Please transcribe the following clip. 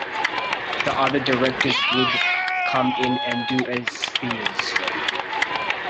The other directors would come in and "do a Spiers".